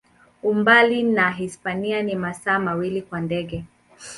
Umbali na Hispania ni masaa mawili kwa ndege.